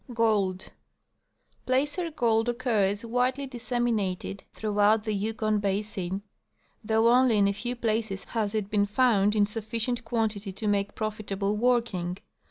Gold. — Placer gold occurs widely disseminated throughout the Yukon basin, though only in a few places has it been found in sufflcient quantity to make profitable working.